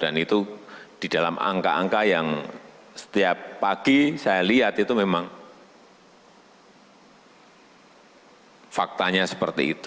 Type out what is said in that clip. dan itu di dalam angka angka yang setiap pagi saya lihat itu memang faktanya seperti itu